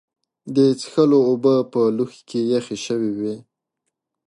د څښلو اوبه په لوښي کې یخې شوې وې.